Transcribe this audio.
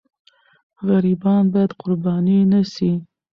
غریبان باید قرباني نه سي.